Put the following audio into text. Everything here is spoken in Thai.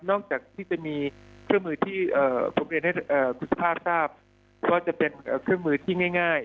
จากที่จะมีเครื่องมือที่ผมเรียนให้คุณสุภาพทราบก็จะเป็นเครื่องมือที่ง่าย